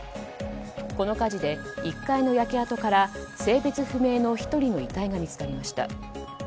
この火事で１階の焼け跡から性別不明の１人の遺体が見つかりました。